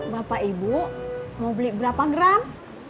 bapak ibu mau beli berapa gram